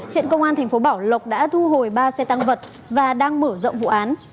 hiện công an tp bảo lộc đã thu hồi ba xe tăng vật và đang mở rộng vụ án